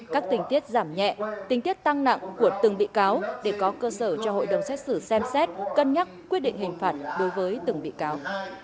các tình tiết giảm nhẹ tình tiết tăng nặng của từng bị cáo để có cơ sở cho hội đồng xét xử xem xét cân nhắc quyết định hình phạt đối với từng bị cáo